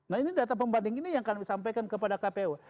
nah ini data pembanding ini yang kami sampaikan kepada kpu